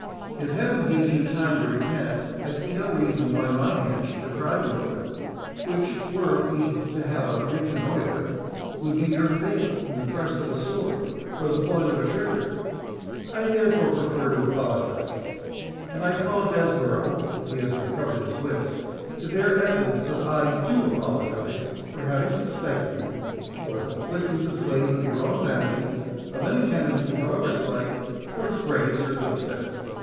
If Heaven gives you time to repent, I see no reason why my hand should deprive you of it, which, were we to have a rencontre, would be your fate in the thrust of a sword, or the pulling of a trigger—I therefore prefer to apologise; and I call Desborough, if he has recovered his wits, to bear evidence that I do apologise for having suspected you, who are completely the slave of your own vanity, of any tendency, however slight, towards grace or good sense.